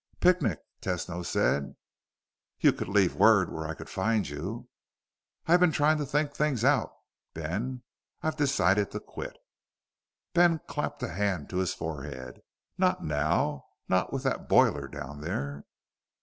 "Picnic," Tesno said. "You could leave word where I could find you." "I've been trying to think things out, Ben. I've decided to quit." Ben clapped a hand to his forehead. "Not now! Not with that boiler down there!"